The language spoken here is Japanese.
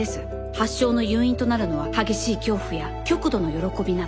発症の誘因となるのは激しい恐怖や極度の喜びなど。